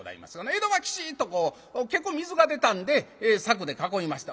江戸はきちっとこう結構水が出たんで柵で囲いました。